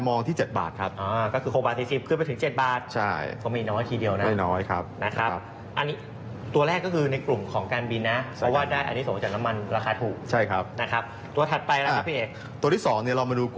มองเป้าหมายเท่าไหร่ครับพี่เอก